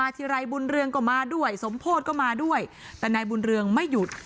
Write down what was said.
ทีไรบุญเรืองก็มาด้วยสมโพธิก็มาด้วยแต่นายบุญเรืองไม่หยุด